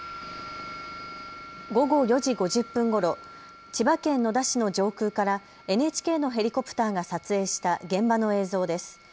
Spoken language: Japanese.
午後４時５０分ごろ、千葉県野田市の上空からＮＨＫのヘリコプターが撮影した現場の映像です。